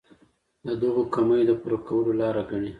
د دغو کمیو د پوره کولو لاره ګڼي.